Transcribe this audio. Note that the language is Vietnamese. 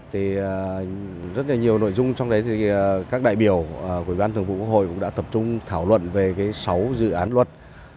thì rất là nhiều nội dung trong đấy thì các đại biểu của ủy ban thường vụ quốc hội cũng đã tập trung thảo luận về sáu dự án luật